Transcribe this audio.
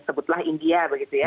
sebutlah india begitu ya